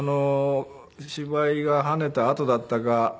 芝居が跳ねたあとだったか。